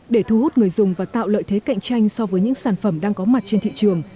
để thu hút người dùng và tạo lợi thế cạnh tranh so với những sản phẩm đang có mặt trên thị trường